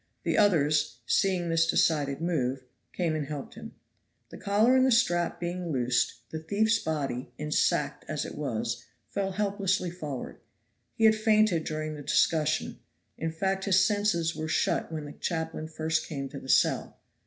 The others, seeing this decided move, came and helped him. The collar and the strap being loosed, the thief's body, ensacked as it was, fell helplessly forward. He had fainted during the discussion; in fact, his senses were shut when the chaplain first came to the cell.